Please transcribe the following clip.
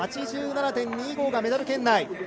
８７．２５がメダル圏内。